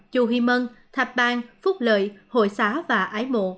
chù huy mân thạch bang phúc lợi hội xá và ái mộ